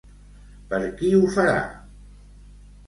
Per qui ho farà?